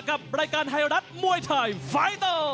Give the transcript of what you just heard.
กับรายการไทยรัฐมวยไทยไฟเตอร์